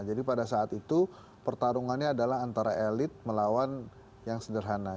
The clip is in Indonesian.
jadi pada saat itu pertarungannya adalah antara elit melawan yang sederhana